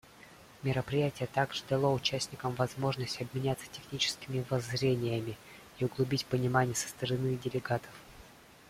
Мероприятие также дало участникам возможность обменяться техническими воззрениями и углубить понимание со стороны делегатов.